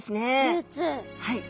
はい。